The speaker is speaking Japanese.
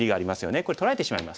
これ取られてしまいます。